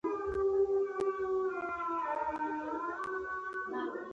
سبا مې ډېر لوی سفر ته ځان تيار کړ.